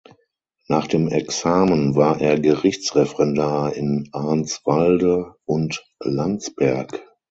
Nach dem Examen war er Gerichtsreferendar in Arnswalde und Landsberg.